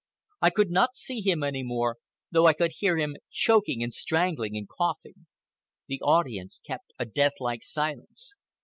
I could not see him any more, though I could hear him choking and strangling and coughing. The audience kept a death like silence.